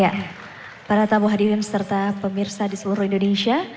ya para tamu hadirin serta pemirsa di seluruh indonesia